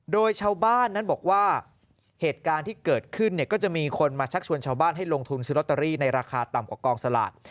โดยชาวบ้านนั้นบอกว่าเหตุการณ์ที่เกิดขึ้นเนี่ยก็จะมีคนมาชักชวนชาวบ้านให้ลงทุนซื้อลอตเตอรี่ในราคาต่ำกว่ากองสลาก